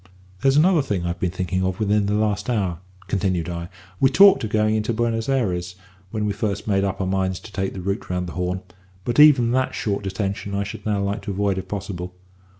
"There's another thing I've been thinking of within the last hour," continued I. "We talked of going into Buenos Ayres when we first made up our minds to take the route round the Horn; but even that short detention I should now like to avoid if possible.